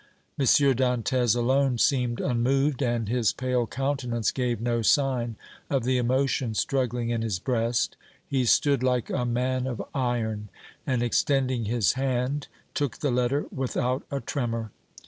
M. Dantès alone seemed unmoved, and his pale countenance gave no sign of the emotion struggling in his breast; he stood like a man of iron, and extending his hand took the letter without a tremor.